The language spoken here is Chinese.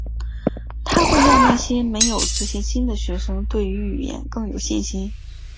它会让那些没有自信心的学生对于语言更有信心。